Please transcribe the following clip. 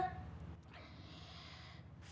atau berpikir juga hampir bye bye dan sulit